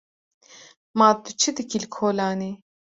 Ma tu çi dikî li kolanê?